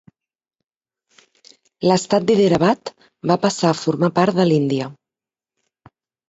L'estat d'Hyderabad va passar a formar part de l'Índia.